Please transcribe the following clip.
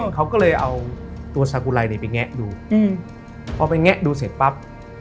เขาก็เลยเอาตัวสากุไรไปแงะดูพอไปแงะดูเสร็จปั๊บ